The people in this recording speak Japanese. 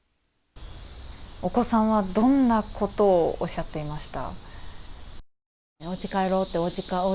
お子さんはどんなことをおっしゃっていました？